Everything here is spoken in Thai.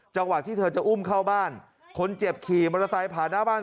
ที่เธอจะอุ้มเข้าบ้านคนเจ็บขี่มอเตอร์ไซค์ผ่านหน้าบ้าน